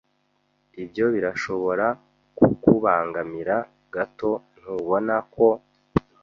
Ibyo birashobora kukubangamira gato, ntubona ko?